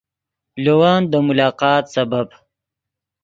لے ون دے ملاقات سبب